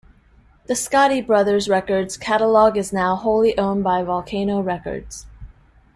The Scotti Brothers Records catalog is now wholly owned by Volcano Records.